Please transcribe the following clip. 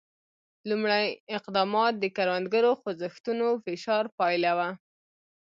لومړي اقدامات د کروندګرو خوځښتونو فشار پایله وه.